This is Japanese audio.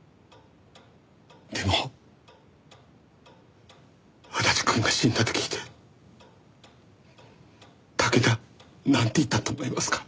でも足立くんが死んだと聞いて竹田なんて言ったと思いますか？